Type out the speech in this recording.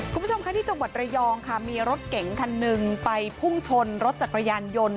คุณผู้ชมค่ะที่จังหวัดระยองค่ะมีรถเก๋งคันหนึ่งไปพุ่งชนรถจักรยานยนต์